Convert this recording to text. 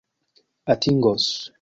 atingos